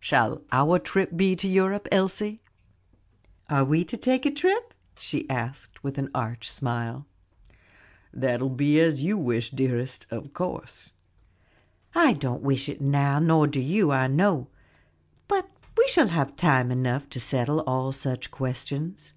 Shall our trip be to Europe, Elsie?" "Are we to take a trip?" she asked with an arch smile. "That will be as you wish, dearest, of course." "I don't wish it now, nor do you, I know; but we shall have time enough to settle all such questions."